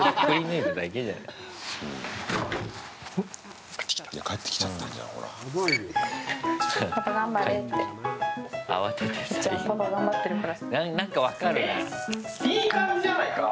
えっいい感じじゃないか？